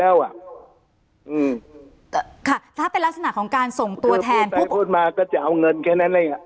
ค่ะถ้าเป็นลักษณะของการส่งตัวแทนไปพูดมาก็จะเอาเงินแค่นั้นเอง